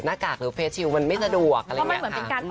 เพราะมันเหมือนเป็นการออกกำลังกาย